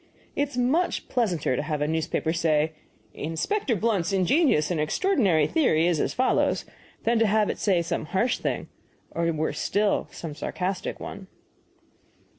It is much pleasanter to have a newspaper say, 'Inspector Blunt's ingenious and extraordinary theory is as follows,' than to have it say some harsh thing, or, worse still, some sarcastic one."